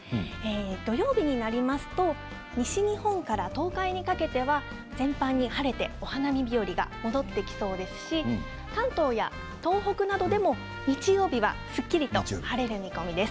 土曜日になりますと西日本から東海にかけては全体に晴れて花見日和が戻ってきそうですし関東や東北では日曜日すっきりと晴れる見込みです。